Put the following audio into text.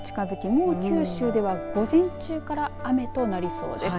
もう九州では午前中から雨となりそうです。